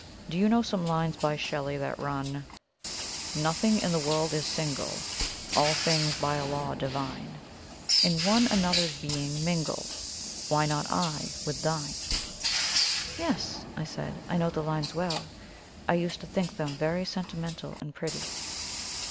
Do you know some lines by Shelley that run "'Nothing in the world is single, All things by a law divine In one another's being mingle Why not I with thine?'" "Yes," I said. "I know the lines well. I used to think them very sentimental and pretty."